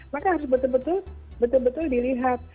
maka harus betul betul dilihat